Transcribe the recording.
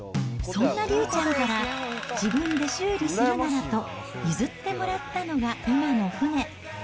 そんなりゅうちゃんから、自分で修理するならと譲ってもらったのが今の船。